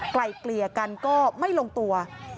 ไกลเกลี่ยกันก็ไม่ลงตัว